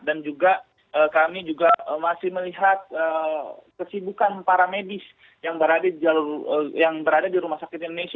juga kami juga masih melihat kesibukan para medis yang berada di rumah sakit indonesia